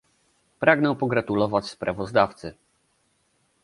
Pragnę pogratulować sprawozdawcy